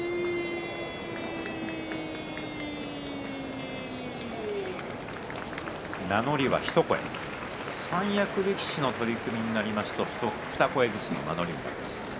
拍手名乗りは一声三役力士の取組になりますと二声ずつになります。